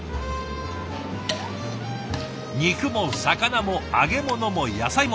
肉も魚も揚げ物も野菜も。